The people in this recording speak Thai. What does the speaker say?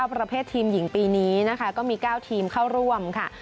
ประเภททีมหญิงปีนี้นะคะก็มี๙ทีมเข้าร่วมค่ะ